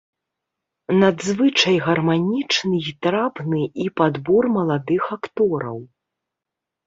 Надзвычай гарманічны й трапны і падбор маладых актораў.